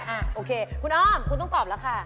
อ่ะโอเคคุณอ้อมคุณต้องตอบแล้วค่ะ